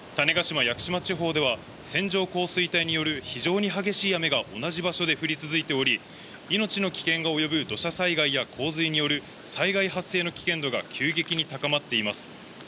種子島・屋久島地方では、線状降水帯による非常に激しい雨が同じ場所で降り続いており、命の危険が及ぶ土砂災害や洪水による災害発生の危険度が急激に高まっています。